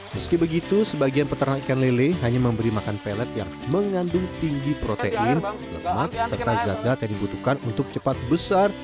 meski begitu sebagian peternak ikan lele hanya memberi makan pelet yang mengandung tinggi protein lemak serta zat zat yang dibutuhkan untuk cepat besar